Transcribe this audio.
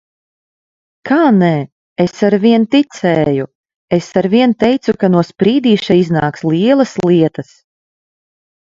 Kā nē? Es arvien ticēju! Es arvien teicu, ka no Sprīdīša iznāks lielas lietas.